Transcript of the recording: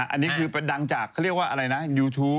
อันนี้คือดังจากเขาเรียกว่าอะไรนะยูทูป